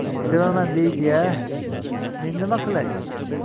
Sevaman, deydi-ya! Men nima qilay?